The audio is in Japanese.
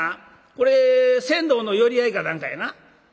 これ船頭の寄り合いか何かやな？」。